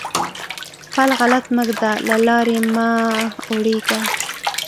پل غلط مه ږده؛ له لارې مه اوړېږه.